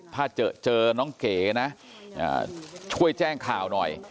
ถ้าเจอน้องเก๋นะช่วยแจ้งข่าวหน่อย